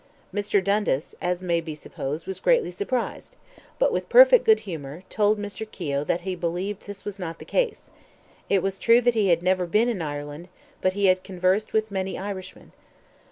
Mr. Dundas, as may be supposed, was greatly surprised; but, with perfect good humour, told Mr. Keogh that he believed this was not the case; it was true that he never had been in Ireland, but he had conversed with many Irishmen.